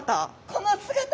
この姿。